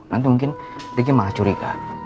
nanti mungkin diki malah curiga